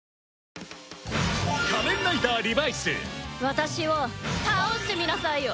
私を倒してみなさいよ！